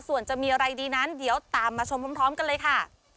ส่วนจะมีอะไรดีนั้นเดี๋ยวตามมาชมพร้อมกันเลยค่ะ